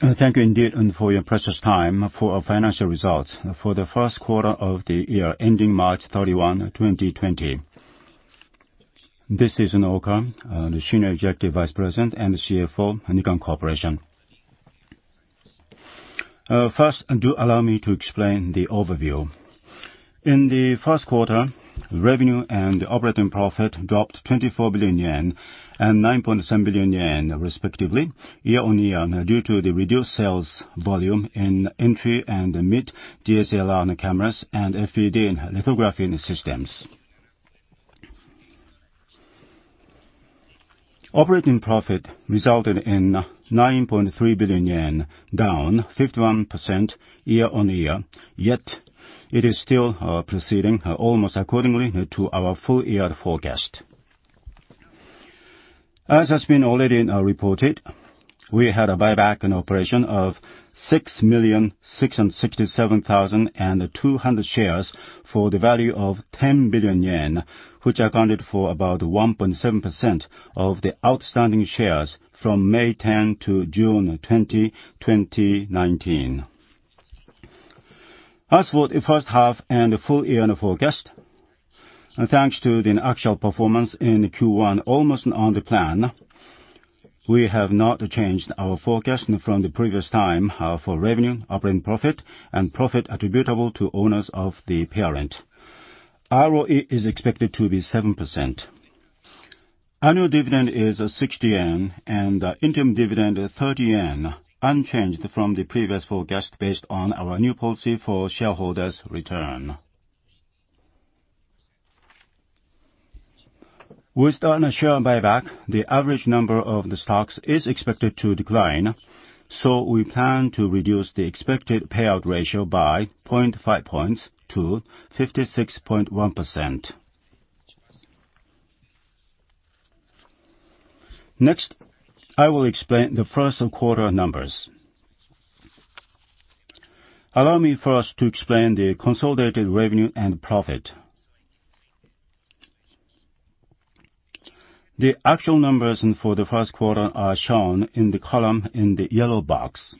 Thank you indeed for your precious time for our financial results for the first quarter of the year ending March 31, 2020. This is Oka, the Senior Executive Vice President and CFO, Nikon Corporation. First, do allow me to explain the overview. In the first quarter, revenue and operating profit dropped 24 billion yen and 9.7 billion yen respectively, year-on-year, due to the reduced sales volume in entry and mid DSLR cameras and FPD lithography systems. Operating profit resulted in 9.3 billion yen, down 51% year-on-year. Yet, it is still proceeding almost accordingly to our full-year forecast. As has been already reported, we had a buyback operation of 6,667,200 shares for the value of 10 billion yen, which accounted for about 1.7% of the outstanding shares from May 10 to June 20, 2019. As for the first half and full year forecast, thanks to the actual performance in Q1 almost on the plan, we have not changed our forecast from the previous time for revenue, operating profit and profit attributable to owners of the parent. ROE is expected to be 7%. Annual dividend is 60 yen and interim dividend 30 yen, unchanged from the previous forecast based on our new policy for shareholders' return. With the share buyback, the average number of the stocks is expected to decline, we plan to reduce the expected payout ratio by 0.5 points to 56.1%. I will explain the first quarter numbers. Allow me first to explain the consolidated revenue and profit. The actual numbers for the first quarter are shown in the column in the yellow box.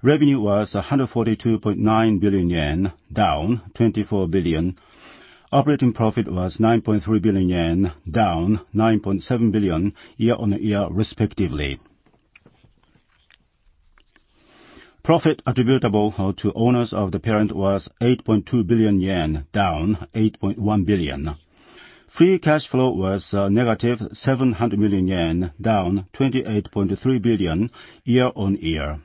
Revenue was 142.9 billion yen, down 24 billion. Operating profit was 9.3 billion yen, down 9.7 billion year-on-year respectively. Profit attributable to owners of the parent was 8.2 billion yen, down 8.1 billion. Free cash flow was negative 700 million yen, down 28.3 billion year-on-year.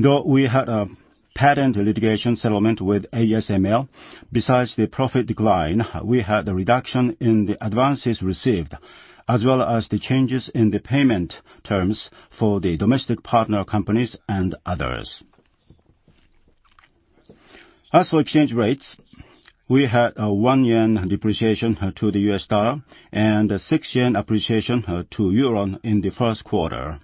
Though we had a patent litigation settlement with ASML, besides the profit decline, we had a reduction in the advances received, as well as the changes in the payment terms for the domestic partner companies and others. As for exchange rates, we had a 1 yen depreciation to the USD and a 6 yen appreciation to EUR in the first quarter.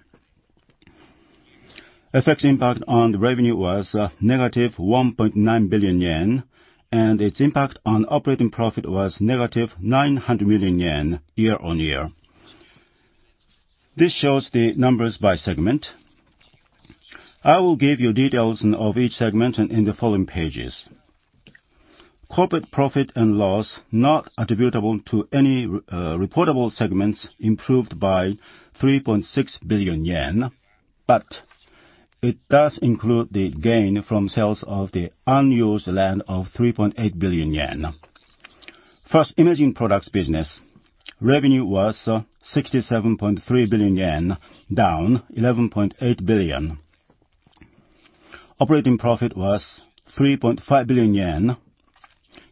FX impact on revenue was negative 1.9 billion yen, and its impact on operating profit was negative 900 million yen year-on-year. This shows the numbers by segment. I will give you details of each segment in the following pages. Corporate profit and loss not attributable to any reportable segments improved by 3.6 billion yen, but it does include the gain from sales of the unused land of 3.8 billion yen. First, Imaging Products Business. Revenue was 67.3 billion yen, down 11.8 billion. Operating profit was 3.5 billion yen,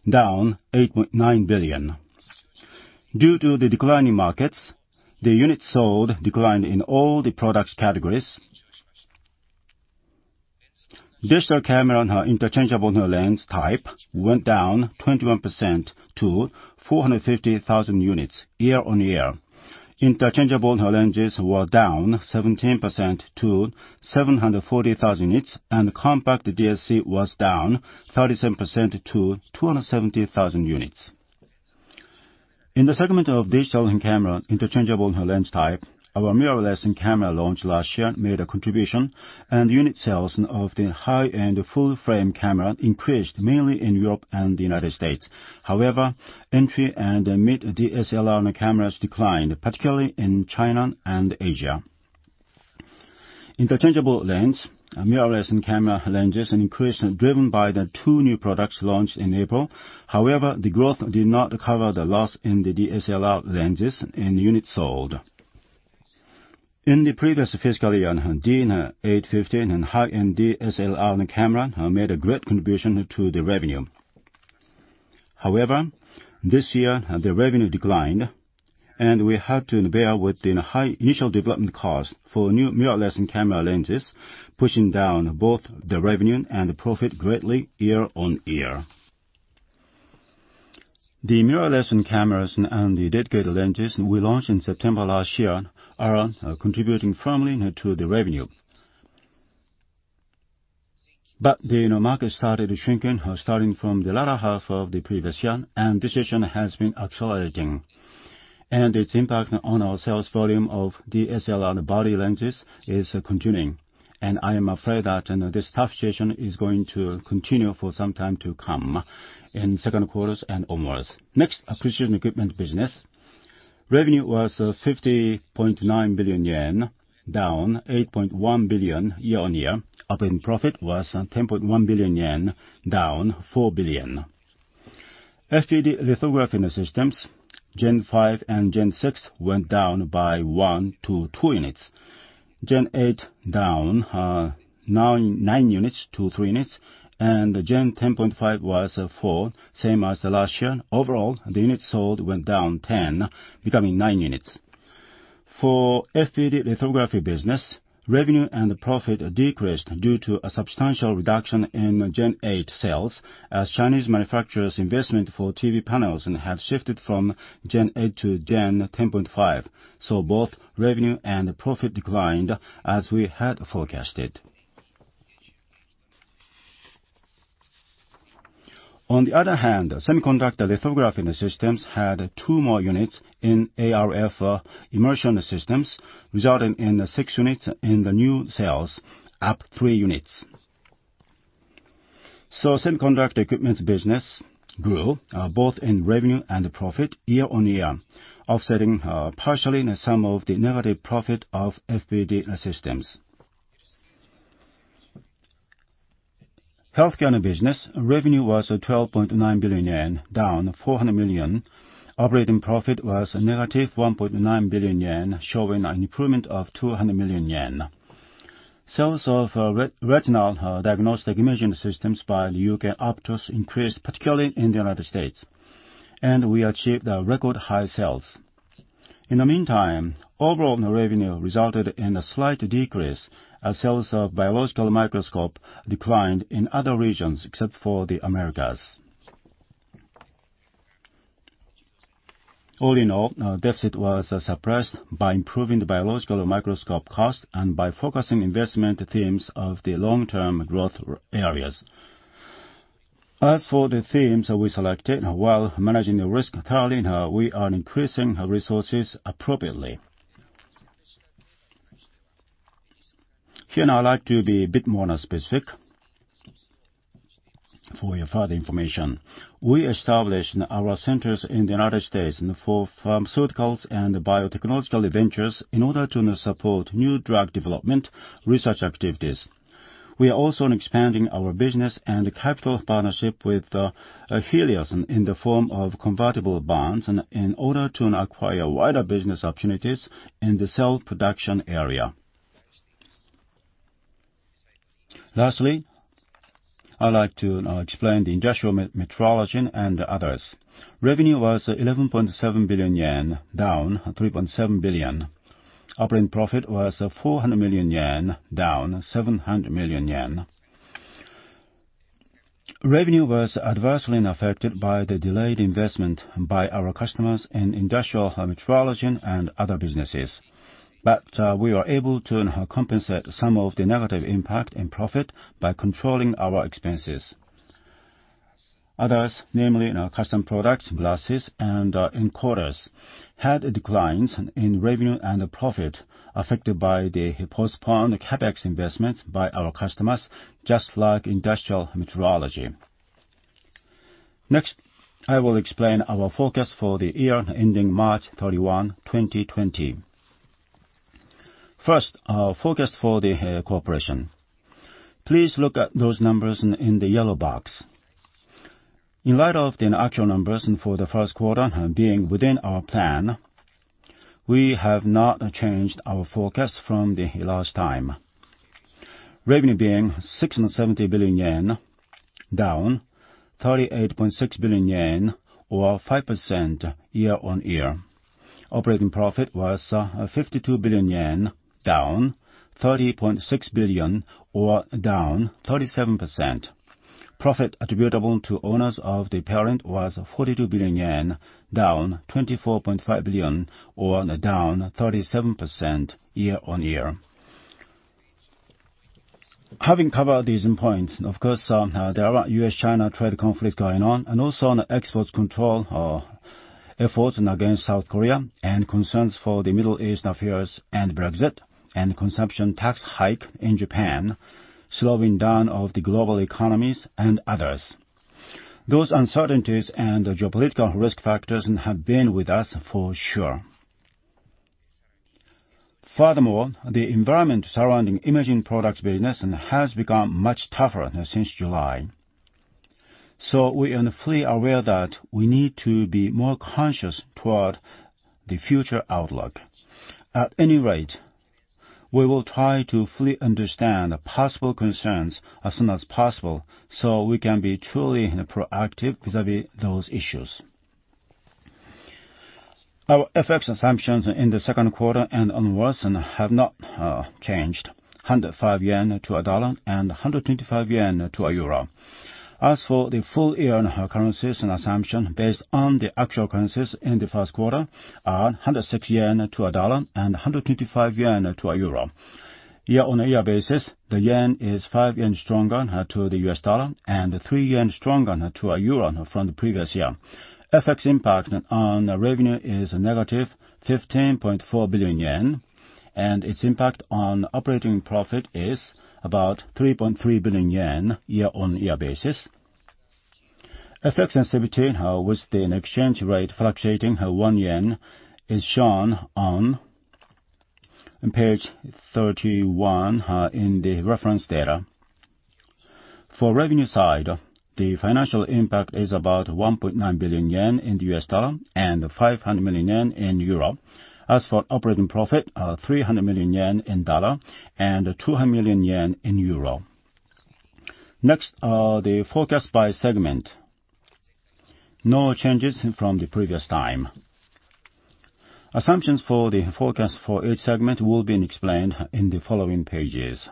down 8.9 billion. Due to the declining markets, the units sold declined in all the product categories. Digital camera interchangeable lens type went down 21% to 450,000 units year-over-year. Interchangeable lenses were down 17% to 740,000 units, and compact DSC was down 37% to 270,000 units. In the segment of digital camera interchangeable lens type, our mirrorless camera launched last year made a contribution, and unit sales of the high-end full-frame camera increased mainly in Europe and the U.S. Entry and mid DSLR cameras declined, particularly in China and Asia. Interchangeable-lens mirrorless camera lenses increased driven by the two new products launched in April. However, the growth did not cover the loss in the DSLR lenses in units sold. In the previous fiscal year, D850 and high-end DSLR camera made a great contribution to the revenue. However, this year, the revenue declined, and we had to bear with the high initial development cost for new mirrorless camera lenses, pushing down both the revenue and profit greatly year on year. The mirrorless cameras and the dedicated lenses we launched in September last year are contributing firmly to the revenue. The market started shrinking starting from the latter half of the previous year, and this situation has been accelerating. Its impact on our sales volume of DSLR body lenses is continuing, and I am afraid that this tough situation is going to continue for some time to come in second quarter and onwards. Next, Precision Equipment Business. Revenue was 50.9 billion yen, down 8.1 billion year-on-year. Operating profit was 10.1 billion yen, down 4 billion. FPD lithography systems, Gen 5 and Gen 6 went down by 1-2 units. Gen 8 down 9 units to 3 units. Gen 10.5 was 4, same as last year. Overall, the units sold went down 10, becoming 9 units. For FPD lithography business, revenue and profit decreased due to a substantial reduction in Gen 8 sales as Chinese manufacturers' investment for TV panels have shifted from Gen 8 to Gen 10.5. Both revenue and profit declined as we had forecasted. On the other hand, semiconductor lithography systems had two more units in ArF immersion systems, resulting in six units in the new sales, up three units. Semiconductor equipment business grew both in revenue and profit year-over-year, offsetting partially some of the negative profit of FPD systems. Healthcare Business, revenue was 12.9 billion yen, down 400 million. Operating profit was negative 1.9 billion yen, showing an improvement of 200 million yen. Sales of retinal diagnostic imaging systems by U.K. Optos increased, particularly in the United States, and we achieved record high sales. In the meantime, overall revenue resulted in a slight decrease as sales of biological microscope declined in other regions except for the Americas. All in all, deficit was suppressed by improving the biological microscope cost and by focusing investment themes of the long-term growth areas. As for the themes we selected, while managing the risk thoroughly, we are increasing resources appropriately. Here, now, I'd like to be a bit more specific for your further information. We established our centers in the U.S. for pharmaceuticals and biotechnological ventures in order to support new drug development research activities. We are also expanding our business and capital partnership with affiliates in the form of convertible bonds in order to acquire wider business opportunities in the cell production area. Lastly, I'd like to explain the Industrial Metrology and others. Revenue was 11.7 billion yen, down 3.7 billion. Operating profit was 400 million yen, down 700 million yen. Revenue was adversely affected by the delayed investment by our customers in Industrial Metrology and other businesses. We were able to compensate some of the negative impact and profit by controlling our expenses. Others, namely, custom products, glasses, and encoders, had declines in revenue and profit affected by the postponed CapEx investments by our customers, just like Industrial Metrology. Next, I will explain our forecast for the year ending March 31, 2020. First, our forecast for the corporation. Please look at those numbers in the yellow box. In light of the actual numbers for the first quarter being within our plan, we have not changed our forecast from the last time. Revenue being 670 billion yen, down 38.6 billion yen or 5% year-on-year. Operating profit was 52 billion yen, down 30.6 billion or down 37%. Profit attributable to owners of the parent was 42 billion yen, down 24.5 billion or down 37% year-on-year. Having covered these points, of course, there are U.S.-China trade conflict going on and also an export control efforts against South Korea and concerns for the Middle East affairs and Brexit and consumption tax hike in Japan, slowing down of the global economies, and others. Those uncertainties and geopolitical risk factors have been with us for sure. Furthermore, the environment surrounding Imaging Products Business has become much tougher since July. We are fully aware that we need to be more conscious toward the future outlook. At any rate, we will try to fully understand possible concerns as soon as possible so we can be truly proactive vis-à-vis those issues. Our FX assumptions in the second quarter and onwards have not changed. 105 to the USD and JPY 125 to a EUR. The full-year currencies and assumption based on the actual currencies in the first quarter are 106 yen to the USD and JPY 125 to a EUR. Year-on-year basis, the JPY is 5 yen stronger to the USD and JPY 3 stronger to a EUR from the previous year. FX impact on revenue is negative 15.4 billion yen, and its impact on operating profit is about 3.3 billion yen year-on-year basis. FX sensitivity with an exchange rate fluctuating 1 yen is shown on page 31 in the reference data. For revenue side, the financial impact is about 1.9 billion yen in the USD and JPY 500 million in Europe. Operating profit is 300 million yen in USD and JPY 200 million in EUR. The forecast by segment. No changes from the previous time. Assumptions for the forecast for each segment will be explained in the following pages.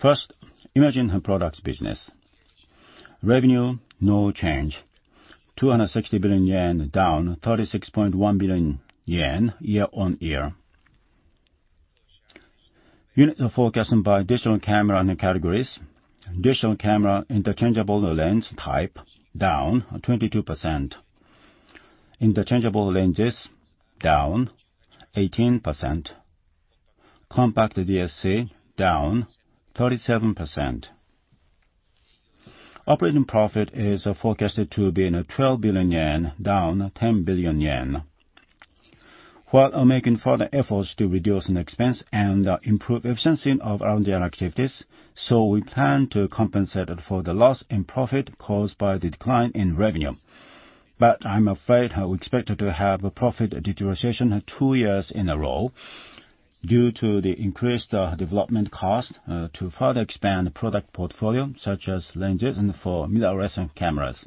First, Imaging Products Business. Revenue, no change, 260 billion yen, down 36.1 billion yen year-over-year. Unit forecast by digital camera and categories. Digital camera interchangeable lens type, down 22%. Interchangeable lenses, down 18%. Compact DSC, down 37%. Operating profit is forecasted to be 12 billion yen, down 10 billion yen. While making further efforts to reduce in expense and improve efficiency of R&D activities, so we plan to compensate for the loss in profit caused by the decline in revenue. I am afraid we expect to have a profit deterioration two years in a row due to the increased development cost to further expand product portfolio, such as lenses for mirrorless cameras.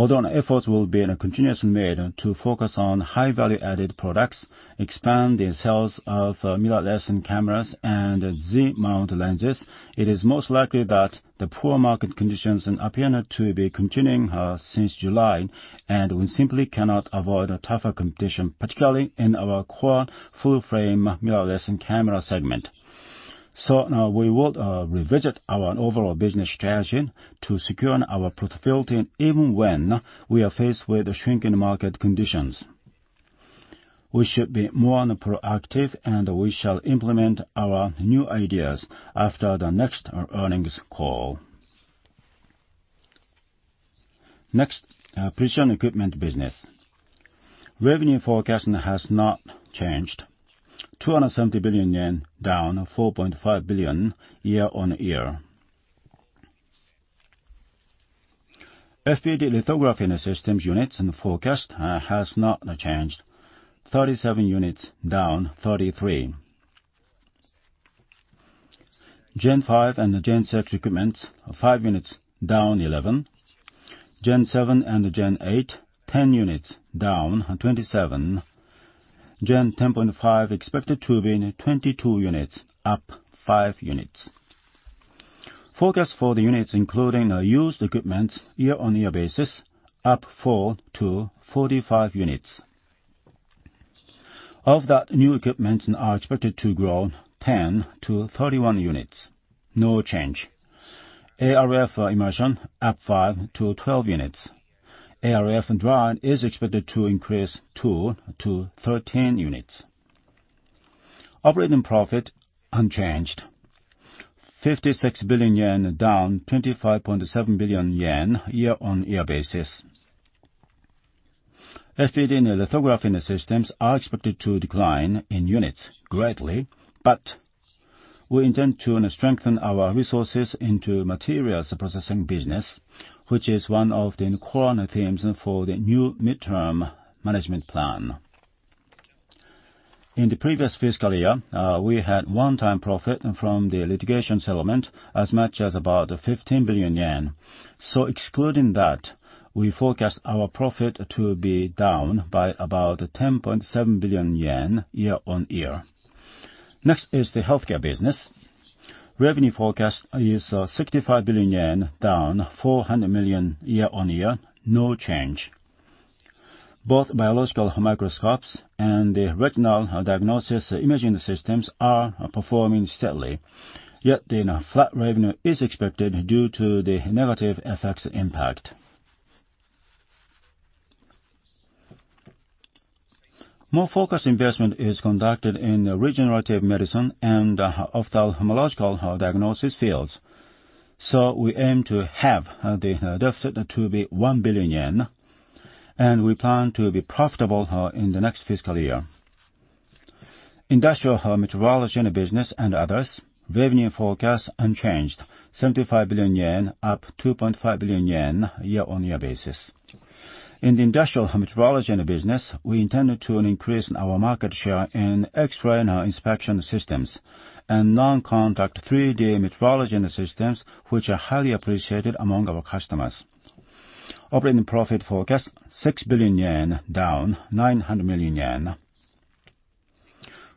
Although efforts will be continuously made to focus on high value-added products, expand the sales of mirrorless cameras and Z mount lenses, it is most likely that the poor market conditions appear to be continuing since July, and we simply cannot avoid a tougher competition, particularly in our core full-frame mirrorless camera segment. We would revisit our overall business strategy to secure our profitability even when we are faced with shrinking market conditions. We should be more proactive, and we shall implement our new ideas after the next earnings call. Next, Precision Equipment Business. Revenue forecast has not changed. 270 billion yen, down 4.5 billion year-over-year. FPD lithography systems units forecast has not changed. 37 units, down 33. Gen5 and Gen6 equipments, five units, down 11. Gen7 and Gen8, 10 units, down 27. Gen10.5 expected to be 22 units, up five units. Forecast for the units including used equipments year-on-year basis, up 4 to 45 units. Of that, new equipments are expected to grow 10 to 31 units, no change. ArF for immersion, up 5 to 12 units. ArF dry is expected to increase 2 to 13 units. Operating profit, unchanged, 56 billion yen, down 25.7 billion yen year-on-year basis. FPD lithography systems are expected to decline in units greatly, but we intend to strengthen our resources into materials processing business, which is one of the core themes for the new midterm management plan. In the previous fiscal year, we had one-time profit from the litigation settlement as much as about 15 billion yen. Excluding that, we forecast our profit to be down by about 10.7 billion yen year-on-year. Next is the Healthcare Business. Revenue forecast is 65 billion yen, down 400 million year-on-year, no change. Both biological microscopes and the retinal diagnostic imaging systems are performing steadily, yet the flat revenue is expected due to the negative FX impact. More focused investment is conducted in regenerative medicine and ophthalmological diagnosis fields. We aim to have the deficit to be 1 billion yen, and we plan to be profitable in the next fiscal year. Industrial Metrology Business and others. Revenue forecast unchanged, 75 billion yen, up 2.5 billion yen year-on-year basis. In the Industrial Metrology Business, we intend to increase our market share in X-ray and inspection systems and non-contact 3D metrology systems, which are highly appreciated among our customers. Operating profit forecast, 6 billion yen, down 900 million yen.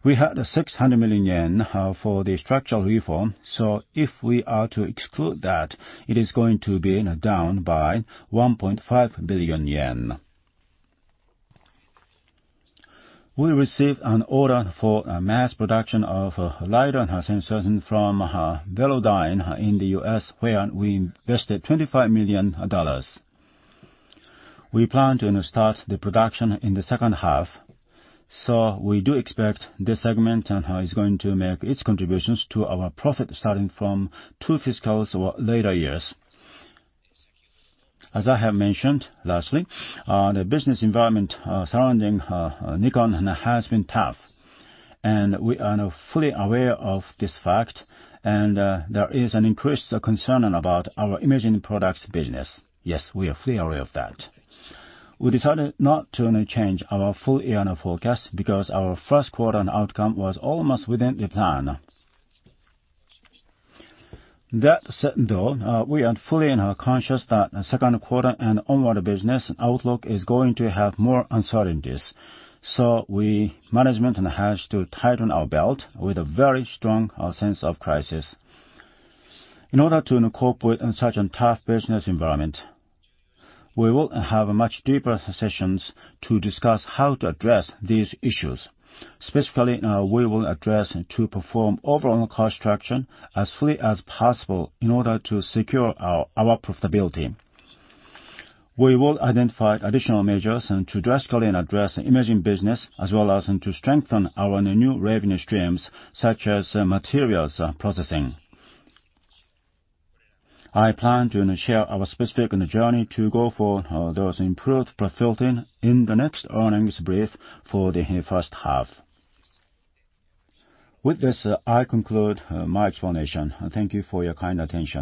We had a 600 million yen for the structural reform, so if we are to exclude that, it is going to be down by 1.5 billion yen. We received an order for mass production of LiDAR sensors from Velodyne in the U.S., where we invested $25 million. We do expect this segment is going to make its contributions to our profit starting from two fiscals or later years. As I have mentioned, lastly, the business environment surrounding Nikon has been tough, and we are now fully aware of this fact, and there is an increased concern about our Imaging Products Business. Yes, we are fully aware of that. We decided not to change our full year forecast because our first quarter outcome was almost within the plan. That said, though, we are fully conscious that second quarter and onward business outlook is going to have more uncertainties. We management has to tighten our belt with a very strong sense of crisis. In order to cope with such a tough business environment, we will have much deeper sessions to discuss how to address these issues. Specifically, we will address to perform overall cost reduction as fully as possible in order to secure our profitability. We will identify additional measures and to drastically address the Imaging Products Business as well as to strengthen our new revenue streams such as materials processing. I plan to share our specific journey to go for those improved profitability in the next earnings brief for the first half. With this, I conclude my explanation. Thank you for your kind attention.